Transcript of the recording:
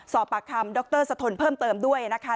สอบปากคำดรสะทนเพิ่มเติมด้วยนะคะ